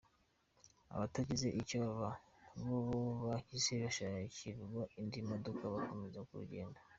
Abatagize icyo baba bo bahise bashakirwa indi modoka bakomeza urugendo.